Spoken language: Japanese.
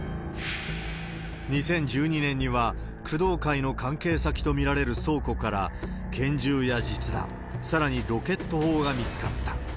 ２０１２年には、工藤会の関係先と見られる倉庫から拳銃や実弾、さらにロケット砲が見つかった。